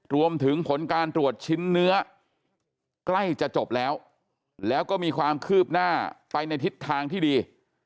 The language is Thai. รวมถึงผลการตรวจชิ้นเนื้อใกล้จะจบแล้วแล้วก็มีความคืบหน้าไปในทิศทางที่ดี